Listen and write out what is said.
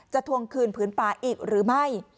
ทวงคืนผืนป่าอีกหรือไม่